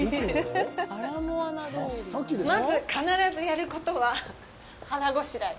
まず、必ずやることは腹ごしらえ。